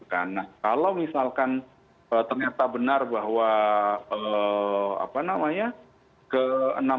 karena kalau misalkan ternyata benar bahwa apa namanya